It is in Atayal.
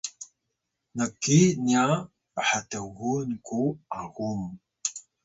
nki nya phtgun ku agum